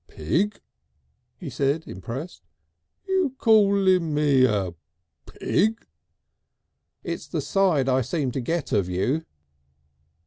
"Pig!" he said, impressed. "You calling me a pig?" "It's the side I seem to get of you."